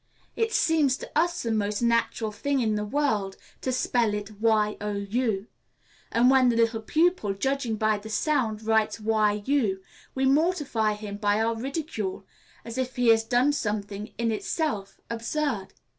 _ It seems to us the most natural thing in the world to spell it y o u. And when the little pupil, judging by the sound, writes it y u, we mortify him by our ridicule, as if he had done something in itself absurd.